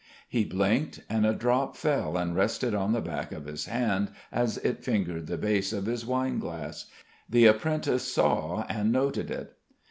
He blinked, and a drop fell and rested on the back of his hand as it fingered the base of his wine glass. The apprentice saw and noted it.